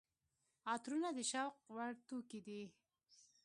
عطرونه د شوق وړ توکي دي.